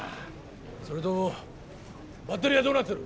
それとバッテリーはどうなってる？